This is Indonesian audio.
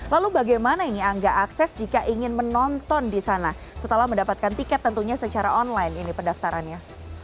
lalu bagaimana ini angga akses jika ingin menonton di sana setelah mendapatkan tiket tentunya secara online ini pendaftarannya